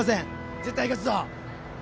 絶対勝つぞ！